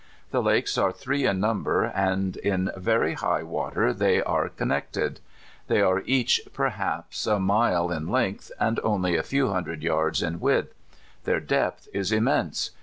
The lakes are three in number, and in very high water they are connected. Tliey are each perhaps a mile in length, and only a few hundred yards in y,'idth. Their depth is im mense.